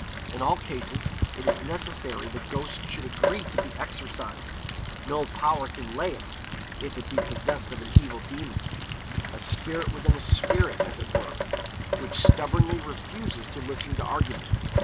In all cases it is necessary the ghost should agree to be exorcised; no power can lay it if it be possessed of an evil demon a spirit within a spirit, as it were which stubbornly refuses to listen to argument.